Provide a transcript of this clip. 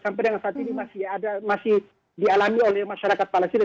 sampai dengan saat ini masih dialami oleh masyarakat palestina